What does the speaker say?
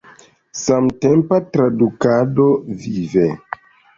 Samtempa tradukado – vive!